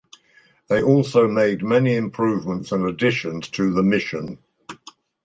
They also made many improvements and additions to the Mission.